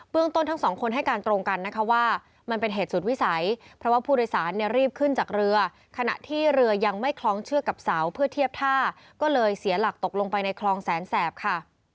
ต้นทั้งสองคนให้การตรงกันนะคะว่ามันเป็นเหตุสุดวิสัยเพราะว่าผู้โดยสารเนี่ยรีบขึ้นจากเรือขณะที่เรือยังไม่คล้องเชือกกับเสาเพื่อเทียบท่าก็เลยเสียหลักตกลงไปในคลองแสนแสบค่ะ